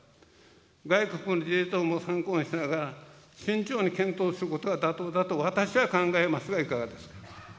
外国の事例等も参考にしながら、慎重に検討することが妥当だと私は考えますが、いかがですか。